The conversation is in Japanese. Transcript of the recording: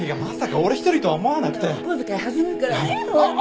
お小遣い弾むからねっ？